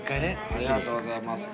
ありがとうございます。